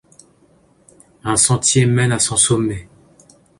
Un sentier mène à son sommet.